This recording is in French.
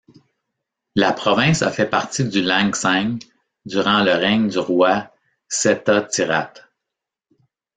La province a fait partie du Lan Xang durant le règne du roi Setthathirath.